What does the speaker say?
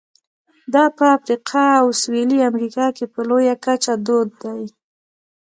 دا په افریقا او سوېلي امریکا کې په لویه کچه دود دي.